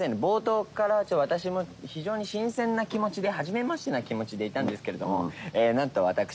冒頭から私も非常に新鮮な気持ちではじめましてな気持ちでいたんですけれどもなんと私